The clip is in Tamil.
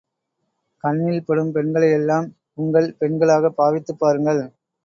கண்ணில் படும் பெண்களையெல்லாம், உங்கள் பெண்களாகப் பாவித்துப் பாருங்கள்.